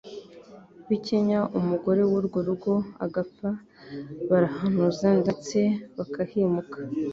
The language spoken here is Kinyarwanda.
bikenya umugore w’urwo rugo agapfa Barahanuza ndetse bakahimuka